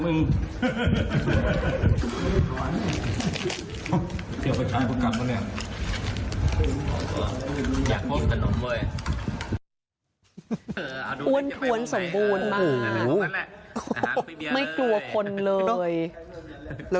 แค่นั้นแหละไม่กลัวคนเลยแค่นั้นแหละ